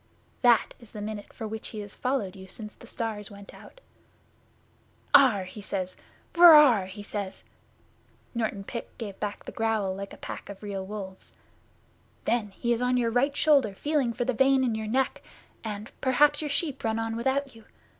That is the minute for which he has followed you since the stars went out. "Aarh!" he "Wurr aarh!" he says.' (Norton Pit gave back the growl like a pack of real wolves.) 'Then he is on your right shoulder feeling for the vein in your neck, and perhaps your sheep run on without you.